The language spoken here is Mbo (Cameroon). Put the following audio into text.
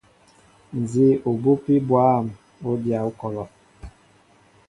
Nzi obupi bwȃm, o dya okɔlɔ.